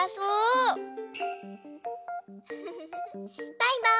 バイバーイ。